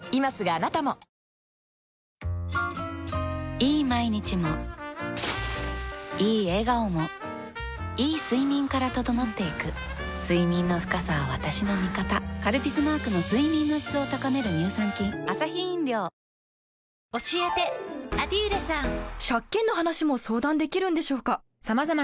いい毎日もいい笑顔もいい睡眠から整っていく睡眠の深さは私の味方「カルピス」マークの睡眠の質を高める乳酸菌防ぐミノンで敏感肌も最高ＵＶカット日焼け止めもミノン！